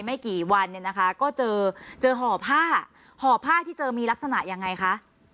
ไม่กี่วันเนี่ยนะคะก็เจอเจอห่อผ้าห่อผ้าที่เจอมีลักษณะยังไงคะ